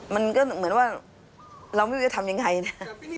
มันก็เหมือนว่าเราไม่รู้จะทำยังไงนะ